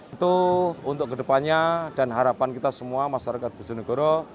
itu untuk kedepannya dan harapan kita semua masyarakat bojonegoro